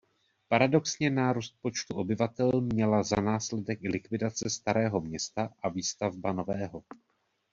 Paradoxně nárůst počtu obyvatel měla za následek i likvidace starého města a výstavba nového.